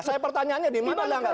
saya pertanyaannya dimana dilanggarnya